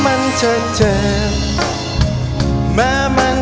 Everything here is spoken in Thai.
ยังเพราะความสำคัญ